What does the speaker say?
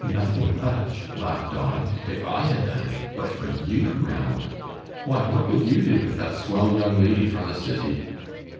"O, nothing much," laughed Don, "if I had done it, but for you, Ranald! Why, what will you do with that swell young lady from the city?"